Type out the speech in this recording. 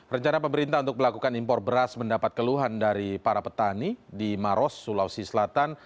rencana pemerintah untuk melakukan impor beras mendapat keluhan dari para petani di maros sulawesi selatan